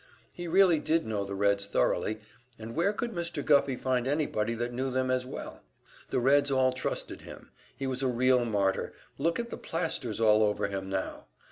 He really did know the Reds thoroughly, and where could Mr. Guffey find anybody that knew them as well? The Reds all trusted him; he was a real martyr look at the plasters all over him now!